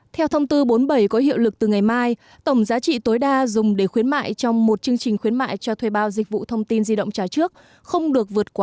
theo thông tư bốn mươi bảy có hiệu lực từ ngày mai tổng giá trị tối đa dùng để khuyến mại trong một chương trình khuyến mại cho thuê bao dịch vụ thông tin di động trả trước không được vượt qua